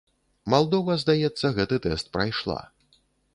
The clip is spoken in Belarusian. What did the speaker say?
Малдова, здаецца, гэты тэст прайшла.